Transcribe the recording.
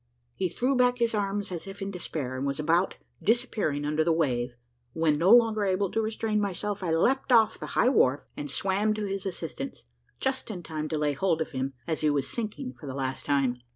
He threw back his arms as if in despair, and was about disappearing under the wave, when, no longer able to restrain myself, I leaped off the high wharf, and swam to his assistance, just in time to lay hold of him as he was sinking for the last time.